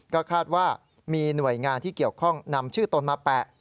ก็คาดว่ามีหน่วยงานที่เกี่ยวข้องนำชื่อตนมาแปะ